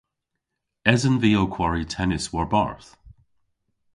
Esen vy ow kwari tennis war-barth?